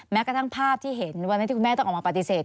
แม้กระทั่งภาพที่เห็นวันนั้นที่คุณแม่ต้องออกมาปฏิเสธ